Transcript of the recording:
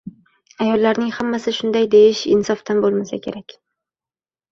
Ayollarning hammasi shunday deyish insofdan bo'lmasa kerak.